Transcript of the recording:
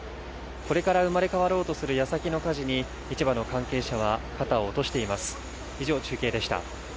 これから生まれ変わろうとする矢先の火事に市場の関係者は肩を落としています